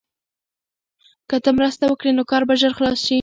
که ته مرسته وکړې نو کار به ژر خلاص شي.